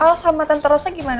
oh sama tante rosnya gimana